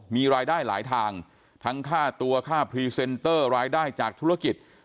มีรายได้หลายทางทั้งค่าตัวค่าพรีเซนเตอร์รายได้จากธุรกิจ